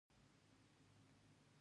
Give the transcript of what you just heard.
لوگر د افغان کلتور په داستانونو کې راځي.